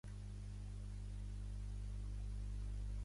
De la cavalleria van sobreviure delmats els dracs del Perú.